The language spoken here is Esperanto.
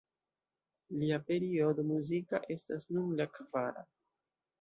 Lia periodo muzika estas nun la kvara.